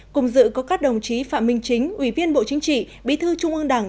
cùng dự có các đồng chí phạm minh chính ủy viên bộ chính trị bí thư trung ương đảng